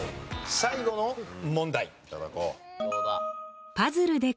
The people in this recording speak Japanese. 最後の問題。